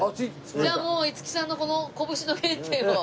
じゃあもう五木さんのこの拳の原点を。